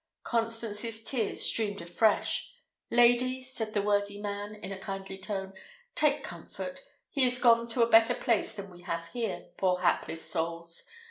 Constance's tears streamed afresh. "Lady," said the worthy man, in a kindly tone, "take comfort! He is gone to a better place than we have here, poor hapless souls!